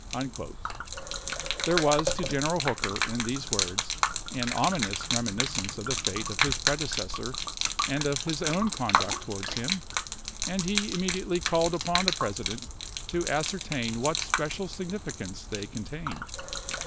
Vpar? nl" There was to General Hooker, in these words, an p. 479. ominous reminiscence of the fate of his predecessor and of his own conduct towards him, and he imme diately called upon the President to ascertain what special significance they contained.